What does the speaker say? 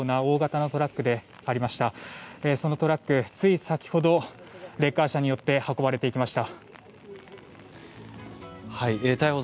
そのトラック、つい先ほどレッカー車によって運ばれていきました。